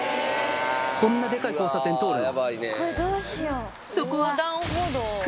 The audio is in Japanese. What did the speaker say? こんなデカい交差点通るの？